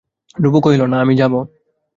ধ্রুব কহিল, না, আমি যাব।